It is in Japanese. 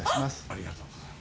ありがとうございます。